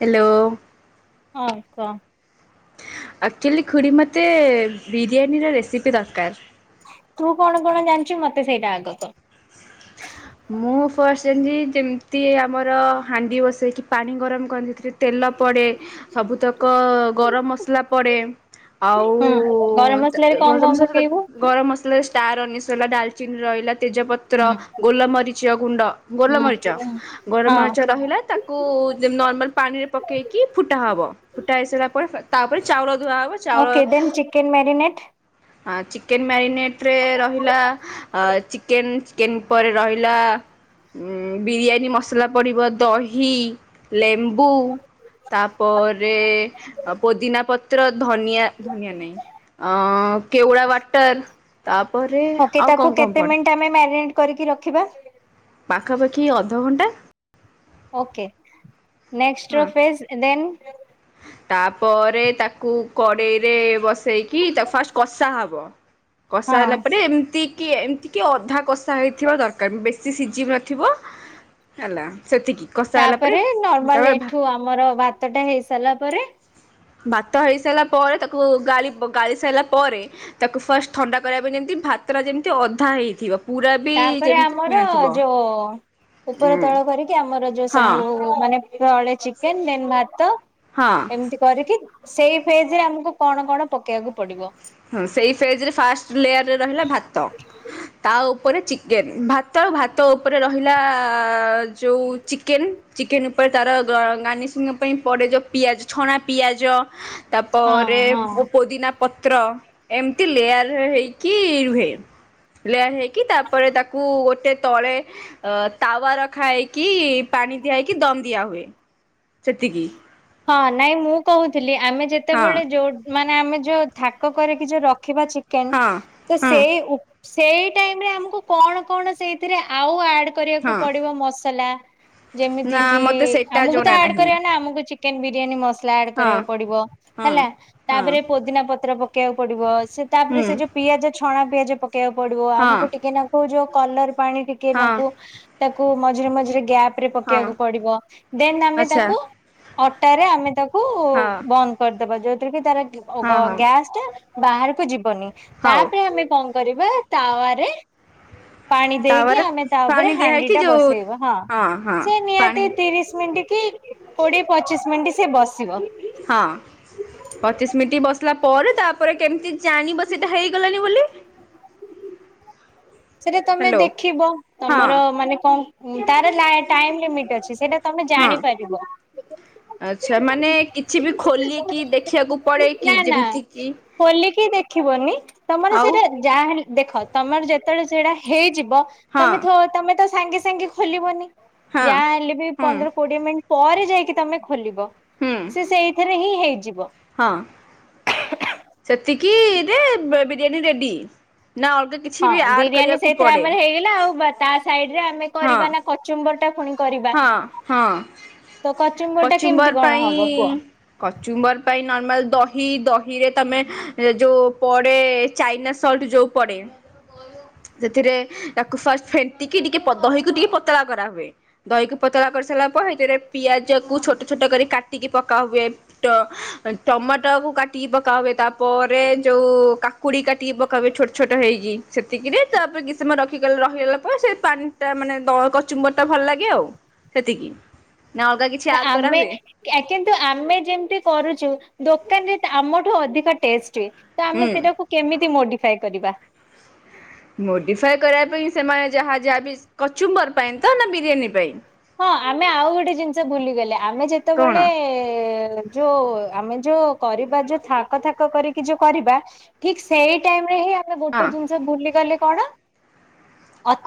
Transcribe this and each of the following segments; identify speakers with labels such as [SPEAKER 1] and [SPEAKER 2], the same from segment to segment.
[SPEAKER 1] Hello.
[SPEAKER 2] ହଁ କହ।
[SPEAKER 1] Actually ଖୁଡ଼ି ମୋତେ ବିରିୟାନୀର ରେସିପି ଦରକାର।
[SPEAKER 2] ତୁ କଣ କଣ ଜାଣିଚୁ ମତେ ସେଇଟା ଆଗ କହ?
[SPEAKER 1] ମୁଁ ଫଷ୍ଟ ଯେମତି ଯେମିତି ଆମର ହାଣ୍ଡି ବସେଇକି ପାଣି ଗରମ କରନ୍ତି ସେଥିରେ ତେଲ ପଡେ। ସବୁତକ ଗରମ ମସଲା ପଡେ। ଆଉ
[SPEAKER 2] ହୁଁ ଗରମ ମସଲାରେ କଣ
[SPEAKER 1] ଗରମ
[SPEAKER 2] କଣ
[SPEAKER 1] ମସଲା ତାକୁ
[SPEAKER 2] ପକେଇବୁ
[SPEAKER 1] ଗରମ ମସଲା ରେ ଷ୍ଟାର୍ [unintelligible] ଡାଲଚିନି ରହିଲା, ତେଜପତ୍ର
[SPEAKER 2] ହୁଁ
[SPEAKER 1] ଗୋଲ ମରିଚ ଗୁଣ୍ଡ, ଗୋଲ
[SPEAKER 2] ହୁଁ
[SPEAKER 1] ମରିଚ। ଗୋଲ
[SPEAKER 2] ହଁ।
[SPEAKER 1] ମରିଚ ରହିଲା, ତାକୁ ନର୍ମାଲ ପାଣିରେ ପକେଇକି ଫୁଟା ହବ। ଫୁଟା ହେଇ ସାରିଲା ପରେ, ତାପରେ ଚାଉଳ ଧୁଆ ହବ ଚାଉଳ
[SPEAKER 2] ଚିକେନ୍ ମ୍ୟାରିନେଟ୍
[SPEAKER 1] ହଁ ଚିକେନ୍ ମ୍ୟାରିନେଟ୍ ରେ ରହିଲା, ଚିକେନ୍, ଚିକେନ୍ ପରେ ରହିଲା ଉଁ ବିରିୟାନୀ ମସଲା ପଡ଼ିବ, ଦହି, ଲେମ୍ବୁ ତାପରେ ପୋଦିନା ପ ଧନିଆ ଧନିଆ ନାଇଁ। ଅ କେଉଡା ୱାଟର୍ ତାପରେ
[SPEAKER 2] ଓକେ,
[SPEAKER 1] ଆଉ କ'ଣ
[SPEAKER 2] ତାକୁ
[SPEAKER 1] କ'ଣ
[SPEAKER 2] କେତେ
[SPEAKER 1] ପଡ଼େ
[SPEAKER 2] ମିନିଟ ଆମେ ମାରିନେଟ କରିକି ରଖିବା?
[SPEAKER 1] ପାଖାପାଖି ଅଧଘଣ୍ଟା।
[SPEAKER 2] ଓକେ, ନେକ୍ସ୍ ଟ ର
[SPEAKER 1] ହଁ
[SPEAKER 2] ଫେଜ୍ ଦେନ୍?
[SPEAKER 1] ତାପରେ ତାକୁ କଡ଼େଇରେ ବସେଇକି ତାକୁ ଫାଷ୍ଟ କଷା ହବ। କଷା
[SPEAKER 2] ହଁ
[SPEAKER 1] ହେଲା ପରେ ଏମିତି କି ଏମିତି କି ଅଧା କଷା ହେଇଥିବା ଦରକାର। ବେଶୀ ସେ ସିଝି ନଥିବ ହେଲା ସେତିକି। କଷା ହେଲା ପରେ
[SPEAKER 2] ତାପରେ ନର୍ମାଲ
[SPEAKER 1] ତାପରେ ଭା
[SPEAKER 2] ଏଠୁ ଆମର ଭାତ ଟା ହେଇ ସାରିଲା ପରେ
[SPEAKER 1] ଭାତ ହେଇସାରିଲା ପରେ ତାକୁ ଗାଳିବ ଗାଳି ସାଇଲା ପରେ ତାକୁ ଫାଷ୍ଟ ଥଣ୍ଡା କରିବା ପାଇଁ ଯେମିତି ଭାତ ଟା ଯେମିତି ଅଧା ହେଇଥିବ। ପୁରା ବି
[SPEAKER 2] ତାପରେ
[SPEAKER 1] ଯେମିତି
[SPEAKER 2] ଆମର
[SPEAKER 1] ହେଇନଥିବ।
[SPEAKER 2] ଯୋ ଉପର
[SPEAKER 1] ଉଁ
[SPEAKER 2] ତଳ କରିକି ଆମର ଯୋଉ
[SPEAKER 1] ହଁ
[SPEAKER 2] ସବୁ ମାନେ ତଳେ ଚିକେନ୍ ଦେନ୍ ଭାତ
[SPEAKER 1] ହଁ
[SPEAKER 2] ଏମିତି କରିକି ସେଇ ଫେଜ୍ ରେ ଆମୁକୁ କଣ କଣ ପକେଇବାକୁ ପଡିବ।
[SPEAKER 1] ହୁଁ ସେଇ ଫେଜ୍ ରେ ଫାଷ୍ଟ ଲେୟାରରେ ରହିଲା ଭାତ। ତା ଉପରେ ଚିକେନ୍। ଭାତ ଆଉ ଭାତ ଓପରେ ରହିଲା ଯୋଉ ଚିକେନ୍। ଚିକେନ୍ ଉପରେ ତାର ଗ ଗାର୍ଣିଶିଂ ପାଇଁ ପଡେ ଯୋଉ ପିଆଜ ଛଣା ପିଆଜ
[SPEAKER 2] ହଁ
[SPEAKER 1] ତାପରେ
[SPEAKER 2] ହଁ।
[SPEAKER 1] ପୋ ପୋଦିନା ତ୍ର ଏମିତି ଲେୟାର ହେ ହେଇକି ରୁହେ। ଲେୟାର୍ ହେଇକି ତାପରେ ତାକୁ ଗୋଟେ ତଳେ ଅ ତାୱା ରଖା ହେଇକି ପାଣି ଦିଆ ହେଇକି ଦମ୍ ଦିଆ ହୁଏ ସେତିକି।
[SPEAKER 2] ହଁ ନାଇଁ ମୁଁ କହୁଥିଲି ଆମେ
[SPEAKER 1] ହଁ
[SPEAKER 2] ଯେତେବେଳେ ଯୋଉ ମାନେ ଆମେ ଯୋଉ ଥାକ କରିକି ଯୋଉ ରଖିବା ଚିକେନ୍
[SPEAKER 1] ହଁ
[SPEAKER 2] ତ
[SPEAKER 1] ହଁ
[SPEAKER 2] ସେଇ ସେଇ ଟାଇମ୍ ରେ ଆମକୁ କଣ କଣ ସେଇଥିରେ ଆଉ ଆଡ୍ କରିବାକୁ
[SPEAKER 1] ହଁ।
[SPEAKER 2] ପଡିବ ମସଲା।
[SPEAKER 1] ନା
[SPEAKER 2] ଯେମିତିକି
[SPEAKER 1] ମତେ ସେଇଟା
[SPEAKER 2] ଆମୁକୁ
[SPEAKER 1] ଜଣା
[SPEAKER 2] ତ ଆଡ୍
[SPEAKER 1] ନାହିଁ
[SPEAKER 2] କରିବା ନା ଆମକୁ ଚିକେନ୍ ବିରିୟାନୀ ମସଲା ଆଡ଼୍
[SPEAKER 1] ହଁ
[SPEAKER 2] କରିବାକୁ ପଡ଼ିବ।
[SPEAKER 1] ହଁ
[SPEAKER 2] ହେଲା
[SPEAKER 1] ହଁ
[SPEAKER 2] ତାପରେ ପୋଦିନା ପତ୍ର ପକେଇବାକୁ ପଡିବ। ସେ ତାପରେ
[SPEAKER 1] ହୁଁ।
[SPEAKER 2] ସେ ଯୋଉ ପିଆଜ ଛଣା ପିଆଜ ପକେଇବାକୁ ପଡିବ।
[SPEAKER 1] ହଁ
[SPEAKER 2] ଆମକୁ ଟିକେ ନାକୁ ଯୋଉ କଲର୍ ପାଣି ଟିକେ
[SPEAKER 1] ହଁ
[SPEAKER 2] ନାକୁ ତାକୁ ମଝିରେ ମଝିରେ ଗ୍ୟାପ୍ ରେ
[SPEAKER 1] ହଁ
[SPEAKER 2] ପକେଇବାକୁ ପଡିବ। ଦେନ୍ ଆମେ
[SPEAKER 1] ଆଚ୍ଛା
[SPEAKER 2] ତାକୁ ଅଟାରେ ଆମେ ତାକୁ
[SPEAKER 1] ହଁ
[SPEAKER 2] ବନ୍ଦ କରିଦବା। ଯୋଉଥିରେ କି ତାର ଅ
[SPEAKER 1] ହଁ
[SPEAKER 2] ଗ
[SPEAKER 1] ହଁ
[SPEAKER 2] ଗ୍ୟାସ ଟା ବାହାରକୁ ଯିବନି।
[SPEAKER 1] ହଉ
[SPEAKER 2] ତାପରେ ଆମେ କଣ କରିବା ତାୱାରେ ପାଣି ଦେଇକି
[SPEAKER 1] ତାପରେ
[SPEAKER 2] ଆମେ ତା ଉପରେ
[SPEAKER 1] ପାଣି ଦିଆ
[SPEAKER 2] ହାଣ୍ଡି
[SPEAKER 1] ହେଇକି
[SPEAKER 2] ଟା
[SPEAKER 1] ଯୋଉ
[SPEAKER 2] ବସେଇବା। ହଁ
[SPEAKER 1] ହଁ
[SPEAKER 2] ସେ
[SPEAKER 1] ପାଣି
[SPEAKER 2] ନିହାତି ତିରିଶ ମିନିଟ୍ କି କୋଡିଏ ପଚିଶ ମିନିଟ୍ ସେ ବସିବ।
[SPEAKER 1] ହଁ, ପଚିଶ ମିନିଟ୍ ବସିଲା ପରେ ତାପରେ କେମିତି ଜାଣିବ ସେଇଟା ହେଇଗଲାଣି ବୋଲି?
[SPEAKER 2] ସେଇଟା ତମେ
[SPEAKER 1] ହ୍ୟାଲୋ
[SPEAKER 2] ଦେଖିବ।
[SPEAKER 1] ହଁ
[SPEAKER 2] ତମର ମାନେ କଣ ତାର ଲା ଟାଇମ୍ ଲିମିଟ ଅଛି। ସେଇଟା ତମେ
[SPEAKER 1] ହଁ
[SPEAKER 2] ଜାଣିପାରିବ।
[SPEAKER 1] ଆଚ୍ଛା ସେମାନେ କିଛି ବି ଖୋଲିକି ଦେଖିବାକୁ ପଳେଇ କି
[SPEAKER 2] ନା ନା
[SPEAKER 1] ଯିମିତି କି
[SPEAKER 2] ଖୋଲିକି ଦେଖିବନି। ତମର
[SPEAKER 1] ଆଉ
[SPEAKER 2] ସେଇଟା ଯାହେଲେ ଦେଖ ତମର ଯେ ଯେତେବେଳେ ସେଟା ହେଇଯିବ
[SPEAKER 1] ହଁ
[SPEAKER 2] ତମେ ଥ ତମେ ତ ସାଙ୍ଗେ ସାଙ୍ଗେ ଖୋଲିବନି।
[SPEAKER 1] ହଁ
[SPEAKER 2] ଯା ହେଲେ ବି
[SPEAKER 1] ହୁଁ
[SPEAKER 2] ପନ୍ଦର, କୋଡିଏ ମିନିଟ୍ ପରେ ଯାଇକି ତମେ ଖୋଲିବ
[SPEAKER 1] ହୁଁ
[SPEAKER 2] ସେ ସେଇଥିରେ ହିଁ ହେଇଯିବ।
[SPEAKER 1] ହଁ। ସେତିକିରେ ବେ ବିରିୟାନୀ ରେଡି। ନା ଅଲଗା କିଛି ବି
[SPEAKER 2] ହଁ
[SPEAKER 1] ଆଡ୍
[SPEAKER 2] ବିରିୟାନୀ
[SPEAKER 1] କରିବାକୁ
[SPEAKER 2] ସେଇଥିରେ
[SPEAKER 1] ପଡେ
[SPEAKER 2] ଆମର ହେଇଗଲା ଆଉ। ବା ତା ସାଇଡ ରେ ଆମେ
[SPEAKER 1] ହଁ
[SPEAKER 2] କରିବା ନା କଚୁମ୍ବର ଟା ପୁଣି କରିବା।
[SPEAKER 1] ହଁ ହଁ,
[SPEAKER 2] ତ ଟା କେମିତି
[SPEAKER 1] କଚୁମ୍ବର
[SPEAKER 2] କଣ
[SPEAKER 1] ପାଇଁ
[SPEAKER 2] ହବ କୁହ?
[SPEAKER 1] କଚୁମ୍ବର ପାଇଁ ନର୍ମାଲ ଦହି, ଦହିରେ ତମେ ଯୋଉ ପଡେ ଚାଇନା ସଲ୍ଟ ଯେଉଁ ପଡେ। ସେଥିରେ ତାକୁ ଫାଷ୍ଟ ଫେଣ୍ଟିକି ଟିକେ ଦହିକୁ ଟିକେ ପତଳା କରାହୁଏ। ଦହିକୁ ପତଳା କରିସାରିଲା ପରେ, ଏଥିରେ ପିଆଜକୁ ଛୋଟ ଛୋଟ କରି କାଟିକି ପକାହୁଏ। ଟ ଟମାଟୋକୁ କାଟିକି ପକା ହୁଏ। ତାପରେ ଯୋଉ କା କୁଡ଼ି କାଟିକି ପକାହୁଏ, ଛୋଟ ଛୋଟ ହେଇକି। ସେତିକିରେ ତାପରେ କିଛି ସମୟ ରଖିଗଲା ରହିଗଲା ପରେ ସେ ପା ସେଇଆ ମାନେ ତଳ କଚୁମ୍ବରଟା ଭଲ ଲାଗେ ଆଉ। ସେତିକି ନା ଅଲଗା କି
[SPEAKER 2] ଆମେ ଏ, କିନ୍ତୁ ଆମେ ଯେମିତି କରୁଛୁ, ଦୋକାନରେ ଆମଠୁ ଅଧିକ ଟେଷ୍ଟ। ତ
[SPEAKER 1] ହୁଁ।
[SPEAKER 2] ଆମେ ସେଟାକୁ କେମିତି ମୋଡିଫାଏ କରିବା?
[SPEAKER 1] ମୋଡିଫାଏ କରିବା ପାଇଁ ସେମାନେ ଯାହା ଯାହାବି କଚୁମ୍ବର ପାଇଁ ତ, ନା ବିରିୟାନୀ ପାଇଁ?
[SPEAKER 2] ହଁ, ଆମେ ଆଉ ଗୋଟେ ଜିନିଷ ଭୁଲିଗଲେ, ଆମେ
[SPEAKER 1] କଣ
[SPEAKER 2] ଯେତେବେଳେ ଯୋଉ ଆମେ ଯୋଉ କରିବା, ଯୋଉ ଥାକ ଥାକ କରିକି ଯୋଉ କରିବା ଠିକ ସେଇ ଟାଇମ ରେ ହିଁ ଆମେ ଗୋଟେ
[SPEAKER 1] ହଁ।
[SPEAKER 2] ଜିନିଷ ଭୁଲିଗଲେ, କଣ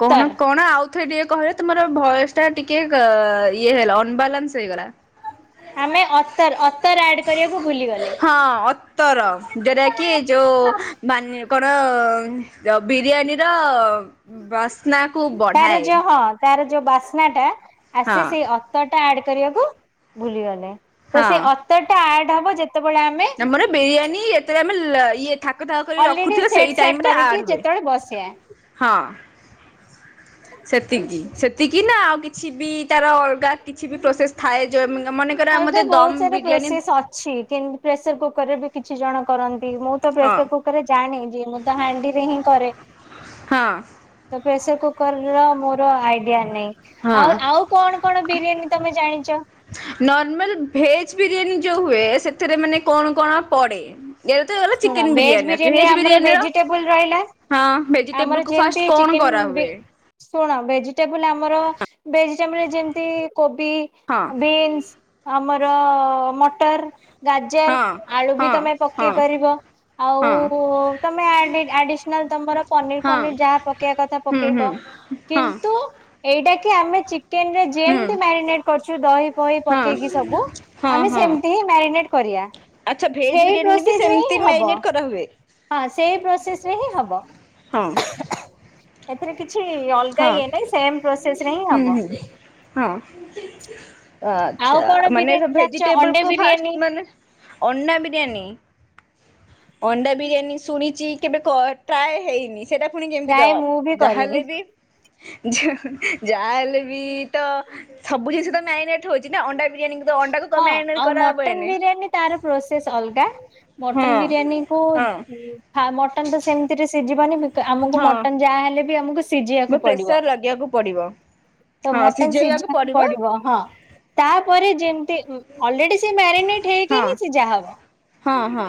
[SPEAKER 1] କଣ କଣ ଆଉ ଥେ ଟିକେ କହିଲେ ତମର ଭଏସ ଟା ଟିକେ ଇଏ ହେଲା, ଅନବାଲାନ୍ସ ହେଇଗଲା।
[SPEAKER 2] ଆମେ ଅତର ଅତର ଆଡ କରିବାକୁ ଭୁଲିଗଲେ।
[SPEAKER 1] ହଁ ଅତର ଯୋଉଟା କି ଯୋଉ ବାନେ କଣ, ବିରିୟାନୀ ର ବସ
[SPEAKER 2] ତାର ଯୋଉ ହଁ, ତାର ଯୋଉ ବାସ୍ନାଟା
[SPEAKER 1] ହଁ
[SPEAKER 2] ଆସେ, ସେଇ ଅ ଅତଟା ଆଡ କରିବାକୁ ଭୁଲିଗଲେ ତ,
[SPEAKER 1] ହଁ।
[SPEAKER 2] ସେଇ ଅତରଟା ଆଡ ହବ ଯେତେବେଳେ ଆମେ
[SPEAKER 1] ଆମର ବିରିୟାନୀ ଏତିରେ ଆମେ ଲ ଇଏ ଥା କ ଥାକ
[SPEAKER 2] ଅଲରେଡି
[SPEAKER 1] ରଖୁଥିବେ,
[SPEAKER 2] ସେଟ୍
[SPEAKER 1] ସେଇ
[SPEAKER 2] ସାଟ୍
[SPEAKER 1] ଟାଇମରେ
[SPEAKER 2] କରିକି
[SPEAKER 1] ଆଡ ହୁଏ,
[SPEAKER 2] ଯେତେବେଳେ ବସିବା।
[SPEAKER 1] ହଁ। ସେତିକି, ସେତିକି ନା ଆଉ କିଛି ବି ତାର ଅଲଗା କିଛି ବି ପ୍ରୋସେସ ଥାଏ, ଯୋ ମାନେ
[SPEAKER 2] ଅଲଗା ବହୁତ ସାରା ପ୍ରୋସେସ ଅଛି। କିନ ପ୍ରେସର କୁକରରେ ବି କିଛି ଜଣ କରନ୍ତି। ମୁଁ ତ
[SPEAKER 1] ହଁ
[SPEAKER 2] ପ୍ରେସର କୁକ କରରେ ଜାଣିଛି, ମୁଁ ତ ହାଣ୍ଡିରେ ହିଁ କରେ।
[SPEAKER 1] ହଁ
[SPEAKER 2] ପ୍ରେସର କୁକର ର ମୋର ଆଇଡିଆ ନାଇଁ। ଆଉ
[SPEAKER 1] ହଁ।
[SPEAKER 2] ଆଉ କଣ କଣ ବିରିୟାନୀ ତମେ ଜାଣିଛ?
[SPEAKER 1] ନର୍ମାଲ ଭେଜ ବିରିୟାନୀ ଯୋଉ ହୁଏ, ସେଥିରେ ମାନେ କଣ କଣ ପଡେ? ଇଏ ର ଗଲା
[SPEAKER 2] ଶୁଣ
[SPEAKER 1] ଚିକେନ
[SPEAKER 2] ଭେଜ
[SPEAKER 1] ବିରିୟାନୀ,
[SPEAKER 2] ବିରିୟାନୀରେ
[SPEAKER 1] ଭେଜ
[SPEAKER 2] ଆମର
[SPEAKER 1] ବିରିୟାନୀ ର
[SPEAKER 2] ଭେଜିଟେବୁଲ ରହିଲା
[SPEAKER 1] ହଁ,
[SPEAKER 2] ଆମର
[SPEAKER 1] ଭେଜିଟେବଲ କୁ
[SPEAKER 2] ଯେମିତି
[SPEAKER 1] ଫାଷ୍ଟ କଣ
[SPEAKER 2] ଚିକେନ ବି
[SPEAKER 1] କରାହୁଏ?
[SPEAKER 2] ଶୁଣ, ଭେଜିଟେବୁଲ ଆମର ଭେଜିଟେବୁଲରେ ଯେମିତି କୋବି
[SPEAKER 1] ହଁ
[SPEAKER 2] ବିନ୍ସ, ଆମର ମଟର ଗାଜର,
[SPEAKER 1] ହଁ
[SPEAKER 2] ଆଳୁ ବି
[SPEAKER 1] ହଁ
[SPEAKER 2] ତମେ
[SPEAKER 1] ହଁ
[SPEAKER 2] ପକେଇ ପାରିବ। ଆଉ
[SPEAKER 1] ହଁ
[SPEAKER 2] ତମେ ଆଡି ଆଡିସନାଲ, ତମର ପନିର
[SPEAKER 1] ହଁ
[SPEAKER 2] ଫନିର ଯାହା ପକେଇବା କଥା
[SPEAKER 1] ହୁଁ ହୁଁ।
[SPEAKER 2] ପକେଇବ।
[SPEAKER 1] ହଁ
[SPEAKER 2] କିନ୍ତୁ ଏଇଟା କି, ଆମେ ଚିକେନରେ
[SPEAKER 1] ହୁଁ
[SPEAKER 2] ଯେମତି ମ୍ୟାରିନେଟ କରୁଛୁ, ଦହି ଫହି ପକେଇକି
[SPEAKER 1] ହଁ
[SPEAKER 2] ସବୁ
[SPEAKER 1] ହଁ
[SPEAKER 2] ଆମେ
[SPEAKER 1] ହଁ।
[SPEAKER 2] ସେମତି ହିଁ ମ୍ୟାରିନେଟ କରିବା।
[SPEAKER 1] ଆଚ୍ଛା, ଭେଜ ବିରିୟାନୀ ରେ
[SPEAKER 2] ସେଇଥିରେ ହିଁ ହବ, ହଁ, ସେଇ ପ୍ରୋସେସରେ ହିଁ ହବ।
[SPEAKER 1] ହଁ
[SPEAKER 2] ସେଥିରେ କିଛି ଅଲଗା
[SPEAKER 1] ହଁ
[SPEAKER 2] ଇଏ ନାଇଁ, ସେମ ପ୍ରୋସେସ ରେ ହିଁ
[SPEAKER 1] ହୁଁ
[SPEAKER 2] ହବ।
[SPEAKER 1] ହୁଁ। ହଁ,
[SPEAKER 2] ଆଉ କଣ
[SPEAKER 1] ଆଚ୍ଛା, ମାନେ
[SPEAKER 2] ବିରିୟାନୀ ଜାଣିଛ ଅଣ୍ଡା
[SPEAKER 1] ଭେଜିଟେବଲକୁ
[SPEAKER 2] ବିରିୟାନୀ
[SPEAKER 1] ଫାର୍ଷ୍ଟ ମାନେ ଅଣ୍ଡା ବିରିୟାନୀ। ଅଣ୍ଡା ବିରିୟାନୀ ଶୁଣିଛି କେବେ, କ ଟ୍ରାଏ ହେଇନି। ସେଇଟା ପୁଣି କେମିତି
[SPEAKER 2] ପ୍ରାୟ
[SPEAKER 1] କର,
[SPEAKER 2] ମୁଁ ବି କରିନି
[SPEAKER 1] ଯାହାହେଲେ ବି ଯା ଜାହେଲେ ବି ତ ସବୁ ଜିନିଷ ତ ମାରିନେଟ ହଉଛି ନା ଅଣ୍ଡା ବିରିୟାନି
[SPEAKER 2] ହଁ ଆଉ ମଟନ ବିରିୟାନୀ ତାର ପ୍ରୋସେସ ଅଲଗା। ମଟନ୍
[SPEAKER 1] ହଁ
[SPEAKER 2] ବିରିୟାନୀ କୁ
[SPEAKER 1] ହଁ
[SPEAKER 2] ଫା ମଟନ ତ ସେମିତିରେ ସିଝିବନି ବିକ ଆମକୁ
[SPEAKER 1] ହଁ
[SPEAKER 2] ମଟନ୍ ଯାହା ହେଲେ ବି ଆମକୁ
[SPEAKER 1] ମୁଁ
[SPEAKER 2] ସିଝିବାକୁ ପଡିବ।
[SPEAKER 1] ପ୍ରେସର ଲଗେଇବାକୁ ପଡିବ।
[SPEAKER 2] ତ ମଟନ ସିଝେଇବାକୁ ପଡିବ। କହ ତାପରେ ଯେମତି ଅଲରେଡି ସେ ମ୍ୟାରିନେଟ ହେଇକି
[SPEAKER 1] ହଁ
[SPEAKER 2] ହିଁ ସିଯା ହବ।
[SPEAKER 1] ହଁ ହଁ।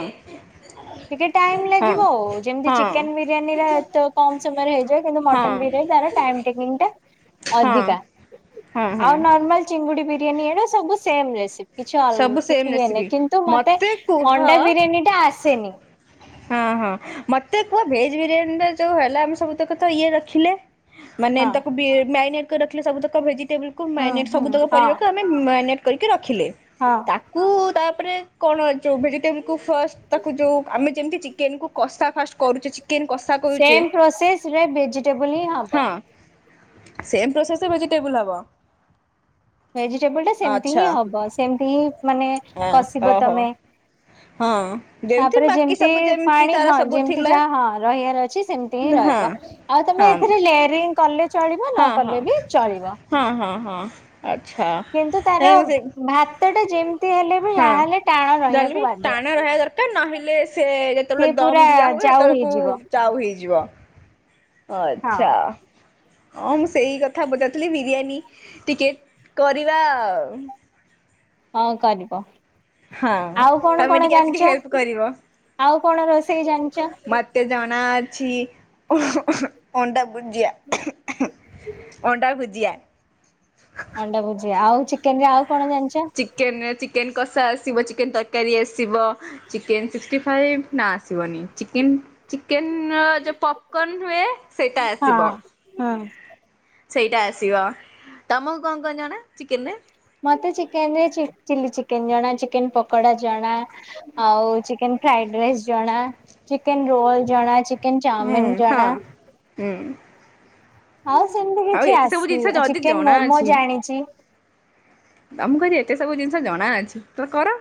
[SPEAKER 2] ଟିକେ ଟାଇମ
[SPEAKER 1] ହଁ।
[SPEAKER 2] ଲାଗିବ ଆଉ ଯେମିତି
[SPEAKER 1] ହଁ
[SPEAKER 2] ଚିକେନ ବିରିୟାନୀରା ଏତେ କମ ସମୟରେ ହେଇଯାଏ। କିନ୍ତୁ ମଟନ
[SPEAKER 1] ହଁ
[SPEAKER 2] ବିରିୟାନୀ ତାର ଟାଇମ ଟେକିଙ୍ଗ ଟା
[SPEAKER 1] ହଁ
[SPEAKER 2] ଅଧିକା।
[SPEAKER 1] ହଁ ହଁ
[SPEAKER 2] ଆଉ ନର୍ମାଲ ଚିଙ୍ଗୁଡି ବିରିୟାନୀ ଏଡା ସବୁ ସେମ ରେସିପି। କିଛି ଅଲ
[SPEAKER 1] ସବୁ ସେମ୍
[SPEAKER 2] କିଛି ଇଏ
[SPEAKER 1] ରେସିପି
[SPEAKER 2] ନାହିଁ। କିନ୍ତୁ ମତେ
[SPEAKER 1] କୁହ
[SPEAKER 2] ଅଣ୍ଡା ବିରିୟାନୀ ଟା ଆସେନି।
[SPEAKER 1] ହଁ ହଁ ମତେ କୁହ ଭେଜ ବିରିୟାନୀର ଯୋଉ ହେଲା ଆମେ ସବୁ ତକ ତ ଇଏ ରଖିଲେ। ମାନେ
[SPEAKER 2] ହଁ
[SPEAKER 1] ତାକୁ ବି ମ୍ୟାରିନେଟ୍ କରି ରଖିଲେ ସବୁତକ ଭେଜିଟେବୁଲକୁ
[SPEAKER 2] ହୁଁ
[SPEAKER 1] ମାରିନେଟ
[SPEAKER 2] ହୁଁ
[SPEAKER 1] ସବୁତକ
[SPEAKER 2] ହଁ
[SPEAKER 1] ପରିବାକୁ ଆମ୍ ମ୍ୟାରିନେଟ୍ କରିକି ରଖିଲେ।
[SPEAKER 2] ହଁ।
[SPEAKER 1] ତାକୁ ତାପରେ କଣ ଯୋଉ ଭେଜିଟେବୁଲକୁ ଫାର୍ଷ୍ଟ ତାକୁ ଯୋଉ ଆମେ ଯେମିତି ଚିକେନ କୁ କଷା ଫାଷ୍ଟ କରୁଛୁ ଚିକେନ କଷା। କରୁଛେ
[SPEAKER 2] ସେମ ପ୍ରୋସେସରେ ଭେଜିଟେବଲ ହିଁ ହବ।
[SPEAKER 1] ହଁ ସେମ୍ ପ୍ରୋସେସ ଭେଜିଟେବୁଲ ହବ।
[SPEAKER 2] ଭେଜିଟେବୁଲ ଟା ସେମିତି
[SPEAKER 1] ଆଚ୍ଛା
[SPEAKER 2] ହିଁ ହବ ସେମତି ହିଁ ମାନେ
[SPEAKER 1] ହଁ
[SPEAKER 2] କଷିବ
[SPEAKER 1] ଓହୋ
[SPEAKER 2] ତମେ
[SPEAKER 1] ହଁ।
[SPEAKER 2] ତାପରେ
[SPEAKER 1] ବାକି
[SPEAKER 2] ଯେମିତି
[SPEAKER 1] ସବୁ ଯେମିତି
[SPEAKER 2] ପାଣି
[SPEAKER 1] ତାର
[SPEAKER 2] ହଁ
[SPEAKER 1] ସବୁ
[SPEAKER 2] ଯେମତି
[SPEAKER 1] ଥିଲା
[SPEAKER 2] ଯାହା ହଁ ରହିବାର ଅଛି ସେମିତି ହିଁ
[SPEAKER 1] ହଁ
[SPEAKER 2] ରହିବ। ଆଉ
[SPEAKER 1] ହଁ
[SPEAKER 2] ତମେ ଏଥିରେ ଲେଆରିଂ କଲେ ଚଳିବ ନ
[SPEAKER 1] ହଁ ହଁ
[SPEAKER 2] କଲେ ବି ଚଳିବ।
[SPEAKER 1] ହଁ ହଁ ହଁ ଆଚ୍ଛା
[SPEAKER 2] କିନ୍ତୁ ତାର
[SPEAKER 1] ନାଇ ମତେ
[SPEAKER 2] ଭାତ ଟା ଯେମିତି ହେଲେ ବି ଯା ହେଲେ ଟାଣ
[SPEAKER 1] ଜଲଦି
[SPEAKER 2] ରହିବାକୁ ବାଧ୍ୟ।
[SPEAKER 1] ଟାଣ ରହିବା ଦରକାର ନହେଲେ ସେ
[SPEAKER 2] ସେ
[SPEAKER 1] ଯେତେବେଳେ ଦମ
[SPEAKER 2] ପୁରା
[SPEAKER 1] ଦିଆ ହୁଏ
[SPEAKER 2] ଯାଉ
[SPEAKER 1] ସେତେବେଳକୁ
[SPEAKER 2] ହେଇଯିବ
[SPEAKER 1] ଯାଉ ହେଇଯିବ
[SPEAKER 2] ହଁ
[SPEAKER 1] ଆଛା। ହଁ ମୁଁ ସେଇ କଥା ପଚାରୁଥିଲି ବିରିୟାନୀ ଟିକେ କରିବା ଆଉ।
[SPEAKER 2] ହଁ କରିବ
[SPEAKER 1] ହଁ
[SPEAKER 2] ଆଉ କଣ
[SPEAKER 1] ତମେ
[SPEAKER 2] କଣ
[SPEAKER 1] ଟିକେ ଆସିକି
[SPEAKER 2] ଜାଣିଛ
[SPEAKER 1] ହେଲ୍ପ କରିବ।
[SPEAKER 2] ଆଉ କଣ ରୋଷେଇ ଜାଣିଛ
[SPEAKER 1] ମତେ ଜଣା ଅଛି ଅଣ୍ଡା ଭୁଜିଆ ଅଣ୍ଡା ଭୁଜିଆ
[SPEAKER 2] ଅଣ୍ଡାଭୋଜି ଆଉ ଚିକେନ୍ ରେ ଆଉ କଣ ଜାଣିଚ?
[SPEAKER 1] ଚିକେନ ଚିକେନ୍ କଷା ଆସିବ ଚିକେନ ତରକାରୀ ଆସିବ ଚିକେନ ସିକ୍ସଟି ଫାଇବ୍ ନା ଆସିବନି ଚିକେନ୍ ଚିକେନ୍ ଯୋଉ ପପ୍ କର୍ନ ହୁଏ ସେଇଟା
[SPEAKER 2] ହଁ
[SPEAKER 1] ଆସିବ
[SPEAKER 2] ହୁଁ
[SPEAKER 1] ସେଇଟା ଆସିବ ତମକୁ କଣ କଣ ଜଣା ଚିକେନ ରେ
[SPEAKER 2] ମତେ ଚିକେନ ରେ ଚିଲି ଚିକେନ ଜଣା ଚିକେନ ପକୋଡା ଜଣା। ଆଉ ଚିକେନ ଫ୍ରାଇଡେ ରାଇସ୍ ଜଣା ଚିକେନ ରୋଲ ଜଣା ଚି
[SPEAKER 1] ହୁଁ ହଁ ହୁଁ।
[SPEAKER 2] ଆଉ ସେମିତି
[SPEAKER 1] ଆଉ
[SPEAKER 2] କିଛି
[SPEAKER 1] ଏତେ ସବୁ ଜିନିଷ
[SPEAKER 2] ଆସିନି ଆ
[SPEAKER 1] ଯଦି
[SPEAKER 2] ଚିକେନ
[SPEAKER 1] ଜଣା
[SPEAKER 2] ମୋମୋ
[SPEAKER 1] ଅଛି
[SPEAKER 2] ଜାଣିଛି?
[SPEAKER 1] ତମକୁ କହିଲି ଏତେ ସବୁ ଜିନିଷ ଜଣା ଅଛି ତ କର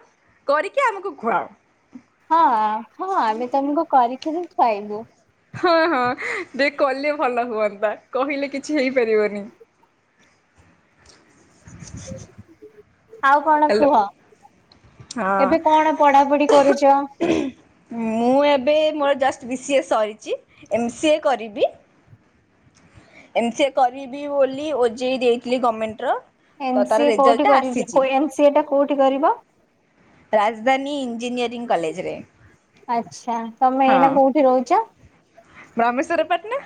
[SPEAKER 1] କରିକି ଆମକୁ ଖୁଆଅ
[SPEAKER 2] ହଁ ହଁ ଆମେ ତମକୁ କରିକିରିି ଖୁଆଇବୁ।
[SPEAKER 1] ହଁ ହଁ ଦେ କଲେ ଭଲ ହୁଅନ୍ତା କହିଲେ କିଛି ହେଇପାରିବନି
[SPEAKER 2] ଆଉ କଣ
[SPEAKER 1] ହ୍ୟାଲୋ
[SPEAKER 2] କୁହ
[SPEAKER 1] ହଁ
[SPEAKER 2] ଏବେ କଣ ପଢାପଢି କରୁଚ?
[SPEAKER 1] ମୁଁ ଏବେ ମୋର ଜଷ୍ଟ ବି ସିଏ ସରିଛି ଏମ୍ ସି ଏ କରିବି ଏମ ସଏ କରିବି ବୋଲି ଓଜେଇ ଦେଇଥିଲି ଗଭର୍ଣ୍ଣମେଣ୍ଟ ର।
[SPEAKER 2] ଏମ୍ ସିଏ କୋଉଠି କରିବ ଏମ୍ ସିଏ ଟା କୋଉଠି କରିବ।
[SPEAKER 1] ରାଜଧାନୀ ଇଞ୍ଜିନିୟରିଂ କଲେଜ୍‌ରେ
[SPEAKER 2] ଆଚ୍ଛା ତମେ ଏଇନା କୋଉଠି ରହୁଛ।
[SPEAKER 1] ବ୍ରାମେଶ୍ୱର ପାଟଣା।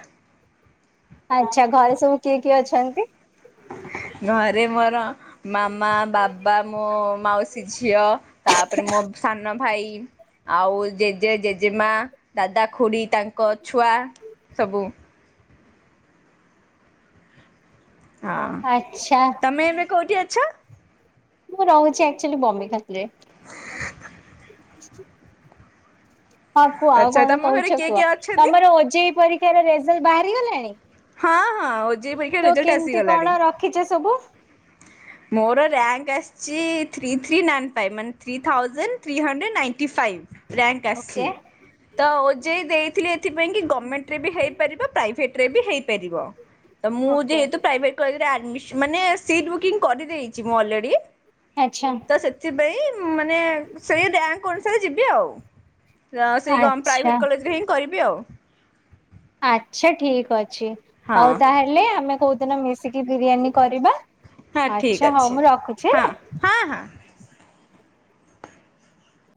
[SPEAKER 2] ଆଚ୍ଛା ଘରେ ସବୁ କିଏ କିଏ ଅଛନ୍ତି?
[SPEAKER 1] ଘରେ ମୋର ମାମା, ବାବା, ମୋ ମାଉସୀ ଝିଅ। ତାପରେ ମୋ ସାନ ଭାଇ ଆଉ ଜେଜେ ଜେଜେମା ଦାଦା ଖୁଡ଼ି ତାଙ୍କ ଛୁଆ ସବୁ। ହଁ
[SPEAKER 2] ଆଛା।
[SPEAKER 1] ତମେ ଏବେ କୋଉଁଠି ଅଛ?
[SPEAKER 2] ମୁଁ ରହୁଛି ଆକ୍ଚୋଲି ବମ୍ବିଖାଲରେ। ହଁ କୁହ ଆଉ
[SPEAKER 1] ଆଚ୍ଛା
[SPEAKER 2] କଣ
[SPEAKER 1] ତମ ଘରେ
[SPEAKER 2] କହୁଛ
[SPEAKER 1] କିଏ
[SPEAKER 2] କୁହ
[SPEAKER 1] କିଏ ଅଛନ୍ତି?
[SPEAKER 2] ତମର ଓଜେଇ ପରି ରେଜଲ୍ଟ ବାହାରିଗଲାଣି
[SPEAKER 1] ହଁ ହଁ ଓଜେଇ ପରୀକ୍ଷା ରେଜଲ୍ଟ ଆସିଗଲାଣି।
[SPEAKER 2] ରଖିଛେ ସବୁ
[SPEAKER 1] ମୋର ରିଂର୍ୟାଙ୍କ୍ ଆସିଛି ଥ୍ରୀ ଥ୍ରୀ ନାଇନ୍ ଫାଇଭ୍ ମାନେ three thousand three hundred ninety five. Rank
[SPEAKER 2] okay
[SPEAKER 1] ଆସିଛି ତ ଓଜେଇ ଦେଇଥିଲି ଏଥିପାଇଁ କି ଗମେଣ୍ଟରେ ବି ହେଇପାରିବ ପ୍ରାଇଭେଟ ସେଥିରେ ହେଇ ପାରିବ ମୁଁ
[SPEAKER 2] ଓକେ।
[SPEAKER 1] ଯେହେତୁ ପ୍ରାଇଭେଟ୍ କଲେଜ୍ ରେ ଆଡମିନ ମାନେ ସିଟି ବୁକିଙ୍ଗ୍ କରିଦେଇଛି ମୁଁ ଅଲରେଡି
[SPEAKER 2] ଆଚ୍ଛା।
[SPEAKER 1] ତ ସେଥିପାଇଁ ମାନେ ସେଇ ବ୍ୟାଙ୍କ୍ ଅନୁସାରେ ଯିବି ଆଉ। ସେଇ
[SPEAKER 2] ଆଚ୍ଛା
[SPEAKER 1] ପ୍ରାଇଭେଟ କଲେଜ୍‌ରେ ହିଁ କରିବି ଆଉ।
[SPEAKER 2] ଆଚ୍ଛା ଠିକ୍ ଅଛି
[SPEAKER 1] ହଁ
[SPEAKER 2] ଆଉ ତାହେଲେ ଆମେ କୋଉଦିନ ମିଶିକି ବିରିୟାନୀ କରିବା
[SPEAKER 1] ହଁ ଠିକ୍
[SPEAKER 2] ଆଛା ହଉ
[SPEAKER 1] ଅଛି।
[SPEAKER 2] ମୁଁ ରଖୁଛି
[SPEAKER 1] ହଁ
[SPEAKER 2] ହେଲା।
[SPEAKER 1] ହଁ ହଁ।